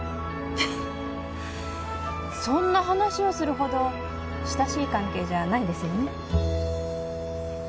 そんな話をするほど親しい関係じゃないですよね